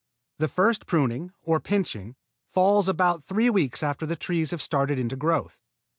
The first pruning, or pinching, falls about three weeks after the trees have started into growth.